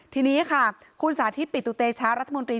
ทีนี้ค่ะคุณสาธิตปิตุเตชะรัฐมนตรี